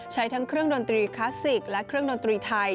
ใช้ทั้งเครื่องดนตรีคลาสสิกและเครื่องดนตรีไทย